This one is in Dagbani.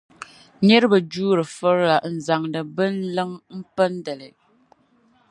Nira bi juuri firila n-zaŋdi bin liŋa m-pindi li.